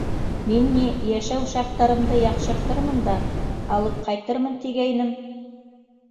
Мин, ни, йәшәү шарттарымды яҡшыртырмын да, алып ҡайтырмын, тигәйнем.